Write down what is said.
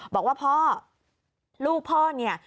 บอกว่าพ่อลูกพ่อเนี่ย